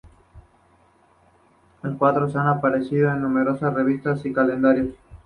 Sus cuadros han aparecido en numerosas revistas y calendarios.